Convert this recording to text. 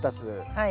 はい。